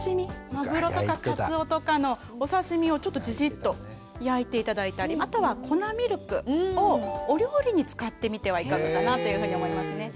マグロとかカツオとかのお刺身をちょっとジジッと焼いて頂いたりあとは粉ミルクをお料理に使ってみてはいかがかなというふうに思いますね。